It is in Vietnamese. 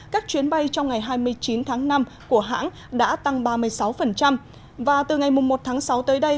các chuyến bay trong ngày hai mươi chín tháng năm của hãng đã tăng ba mươi sáu và từ ngày một tháng sáu tới đây